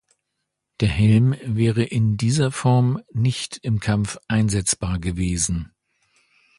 Der Helm wäre in dieser Form nicht im Kampf einsetzbar gewesen.